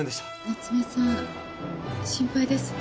夏目さん心配ですね。